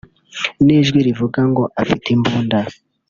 n’ijwi rivuga ngo “afite imbunda”